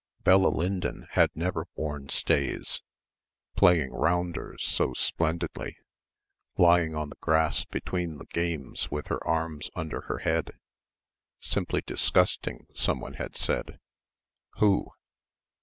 Bella Lyndon had never worn stays; playing rounders so splendidly, lying on the grass between the games with her arms under her head ... simply disgusting, someone had said ... who